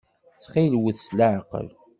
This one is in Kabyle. Ttxil-wet s leɛqel.